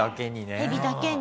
ヘビだけに。